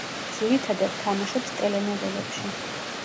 ძირითადად, თამაშობს ტელენოველებში.